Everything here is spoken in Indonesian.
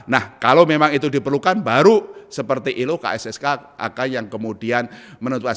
nah kalau memang itu diperlukan baru seperti ilo kssk akan yang kemudian menentukan